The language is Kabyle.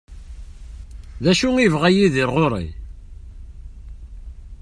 D acu i yebɣa Yidir ɣur-i?